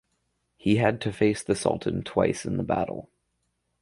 He had to face the Sultan twice in the battle.